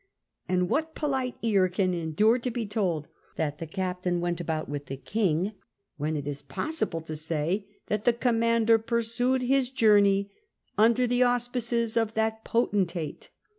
And what polite ear can endure to be told that the captain " went about with the king " when it is possible to say that " the commander pur sued his journey under the auspices of that potentate